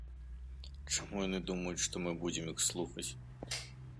Чаму яны думаюць, што мы будзем іх слухаць?